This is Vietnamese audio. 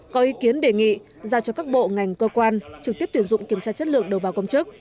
có ý kiến đề nghị giao cho các bộ ngành cơ quan trực tiếp tuyển dụng kiểm tra chất lượng đầu vào công chức